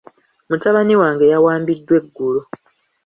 Mutabani wange yawambiddwa eggulo .